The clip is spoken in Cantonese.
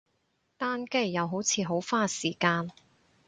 單機，又好似好花時間